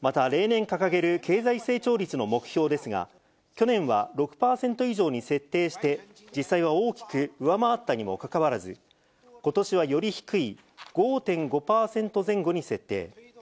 また例年掲げる経済成長率の目標ですが、去年は６％以上に設定して、実際は大きく上回ったにもかかわらず、ことしはより低い、５．５％前後に設定。